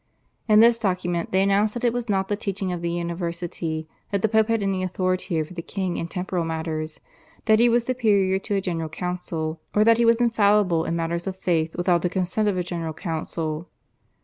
In this document they announced that it was not the teaching of the university that the Pope had any authority over the king in temporal matters, that he was superior to a General Council, or that he was infallible in matters of faith without the consent of a General Council.